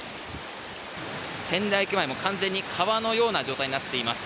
仙台駅前、完全に川のような状態になっています。